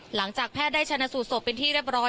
หลังจากแพทย์ได้ชนะสูตรศพเป็นที่เรียบร้อย